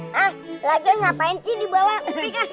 hah lagi ngapain di bawah